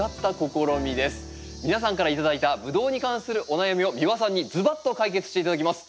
皆さんから頂いたブドウに関するお悩みを三輪さんにズバッと解決して頂きます。